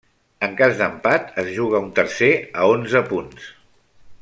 En cas d'empat es juga un tercer a onze punts.